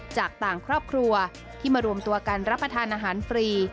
จากต่างครอบครัวที่มารวมตัวกันรับประทานอาหารฟรี